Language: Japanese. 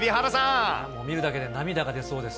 もう見るだけで涙が出そうです。